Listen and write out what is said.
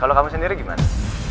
kalau kamu sendiri gimana